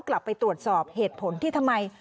กลับไปตรวจสอบเหตุผลที่ทำไม